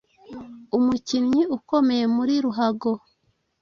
Umukinnyi ukomeye muri ruhago